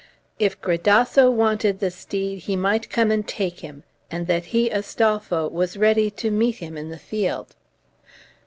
If Gradasso wanted the steed he might come and take him, and that he, Astolpho, was ready to meet him in the field."